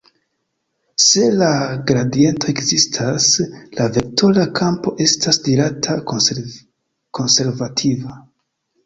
Se la gradiento ekzistas, la vektora kampo estas dirata konservativa.